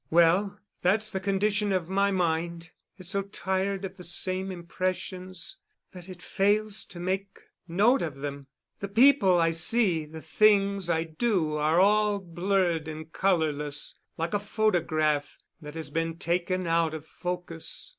Well, that's the condition of my mind. It's so tired of the same impressions that it fails to make note of them; the people I see, the things I do, are all blurred and colorless like a photograph that has been taken out of focus.